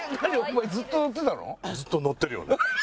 ずっと乗ってるよね。